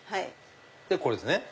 でこれですね。